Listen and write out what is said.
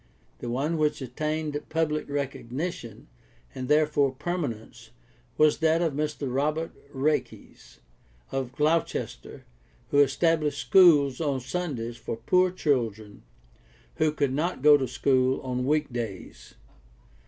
The one which attained public recognition, and therefore permanence, was that of Mr. Robert Raikes, of Gloucester, who established schools on Sundays for poor children who could not go to school on week days.